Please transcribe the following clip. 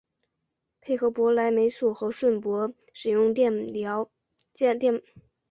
配合博莱霉素和顺铂使用电脉冲化疗治疗皮内和皮下肿瘤的研究已经进入临床阶段。